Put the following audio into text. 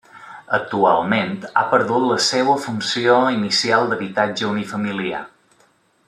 Actualment ha perdut la seva funció inicial d'habitatge unifamiliar.